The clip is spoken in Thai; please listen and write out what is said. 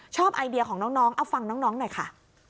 ไอเดียของน้องเอาฟังน้องหน่อยค่ะ